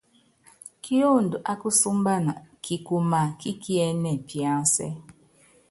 Kiondo ákusúmbana kikuma kí kiɛ́nɛ piansɛ́.